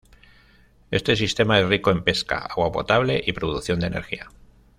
Este sistema es rico en pesca, agua potable y producción de energía.